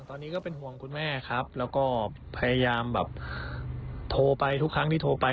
ตอนนี้ก็เป็นห่วงคุณแม่ครับแล้วก็พยายามแบบโทรไปทุกครั้งที่โทรไป